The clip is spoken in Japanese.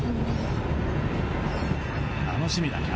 楽しみだな！